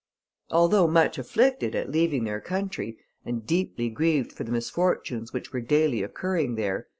Although much afflicted at leaving their country, and deeply grieved for the misfortunes which were daily occurring there, M.